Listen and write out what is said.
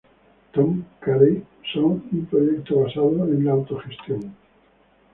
Tom Cary son un proyecto basado en la autogestión.